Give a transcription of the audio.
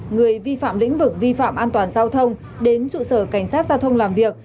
người vi phạm lĩnh vực vi phạm an toàn giao thông đến trụ sở cảnh sát giao thông làm việc